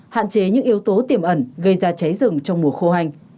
hạn chế những yếu tố tiềm ẩn gây ra cháy rừng trong mùa khô hành